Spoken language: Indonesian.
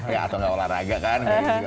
ya atau nggak olahraga kan